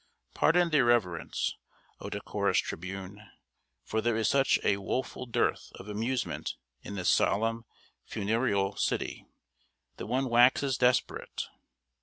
Pardon the irreverence, O decorous Tribune! for there is such a woful dearth of amusement in this solemn, funereal city, that one waxes desperate.